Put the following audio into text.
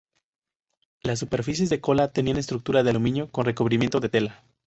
Las superficies de cola tenían estructura de aluminio con recubrimiento de tela.